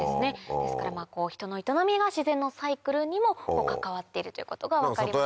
ですから人の営みが自然のサイクルにも関わっているということが分かりましたね。